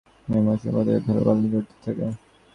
এ মৌসুমে পথঘাটে ধুলাবালু উড়তে থাকে।